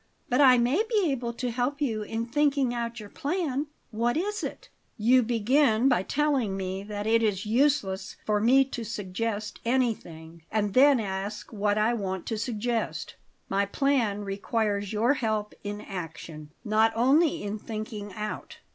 But I may be able to help you in thinking out your plan. What is it?" "You begin by telling me that it is useless for me to suggest anything, and then ask what I want to suggest. My plan requires your help in action, not only in thinking out."